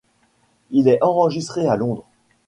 Il est enregistré à Londres.